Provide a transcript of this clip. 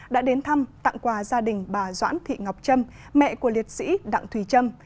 đã đến thăm tặng quà gia đình bà doãn thị ngọc trâm mẹ của liệt sĩ đặng thùy trâm